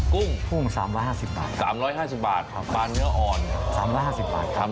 กุ้ง๓๕๐บาทปางเนื้ออ่อน๓๕๐บาท